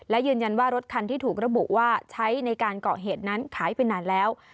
และยืนยันว่ารถคันที่ถูกระบุว่าใช้ในการเกาะเหตุนั้นขายไปนานแล้ว